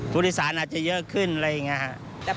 ผู้โดยสารอาจจะเยอะขึ้นอะไรอย่างนี้ครับ